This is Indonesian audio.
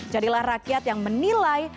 jadilah rakyat yang menilai